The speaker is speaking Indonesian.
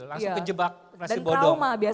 langsung kejebak investasi bodong